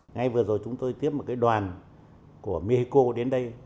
ngay vừa rồi chúng tôi tiếp một cái đoàn của mexico đến đây